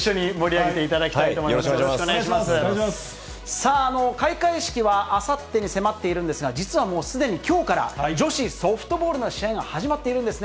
さあ、開会式はあさってに迫っているんですが、実はもうすでにきょうから、女子ソフトボールの試合が始まっているんですね。